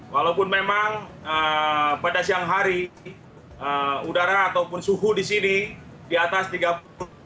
walaupun memang pada siang hari udara ataupun suhu di sini di atas tiga puluh derajat